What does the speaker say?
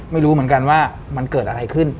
ไม่รู้เหมือนกันว่ามันเกิดอะไรขึ้น